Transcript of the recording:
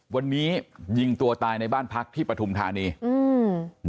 วันนี้ยิงตัวตายในบ้านพักที่ปฐุมธานีอืม